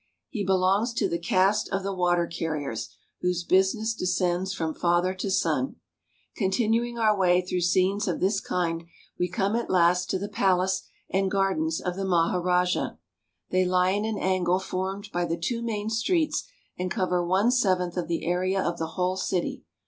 He belongs to the caste of the water carriers, whose business descends from father to son. Continuing our way through scenes of this kind, we come at last to the palace and gardens of the Maharajah. They THE NATIVE STATES OF INDIA 291 lie in an angle formed by the two main streets and cover one seventh of the area of the whole city.